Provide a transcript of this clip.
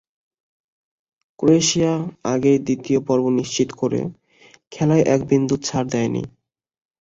Croatia আগেই দ্বিতীয় পর্ব নিশ্চিত করেও খেলায় এক বিন্দু ছাড় দেয়নি।